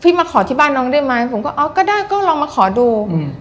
มาขอที่บ้านน้องได้ไหมผมก็เอาก็ได้ก็ลองมาขอดูอืม